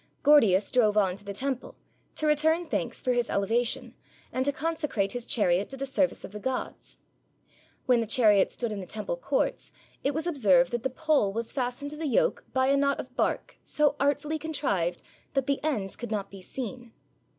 Gordius drove on to the temple, to return thanks for his elevation, and to consecrate his chariot to the service of the gods. When the chariot stood in the temple courts it was observed that the pole was fastened to the yoke by a knot of bark so artfully contrived that the ends could not be seen.